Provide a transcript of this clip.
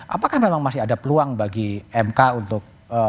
apakah memang masih ada peluang bagi mk untuk